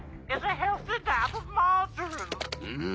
うん！